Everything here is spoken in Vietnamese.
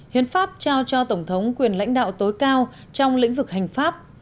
hiến pháp trao cho tổng thống quyền lãnh đạo tối cao trong lĩnh vực hành pháp